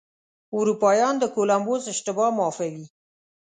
اروپایان د کولمبس اشتباه معافوي.